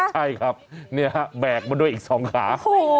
ใช่ครับเนี่ยแบกมาด้วยอีก๒ขา